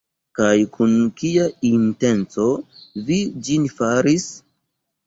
Kaj kun kia intenco vi ĝin faris?